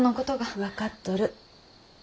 分かっとる。